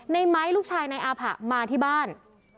ในไม้ลูกชายนายอาผะมาที่บ้าน